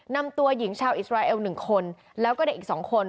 นำตัวหญิงชาวอิสราเอล๑คนแล้วก็เด็กอีก๒คน